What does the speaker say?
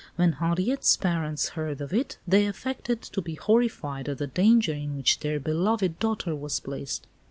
When Henriette's parents heard of it, they affected to be horrified at the danger in which their beloved daughter was placed.